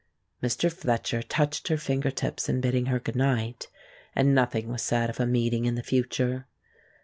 Mr. Fletcher touched her fingertips in bidding her good night, and nothing was said of a meeting in the future.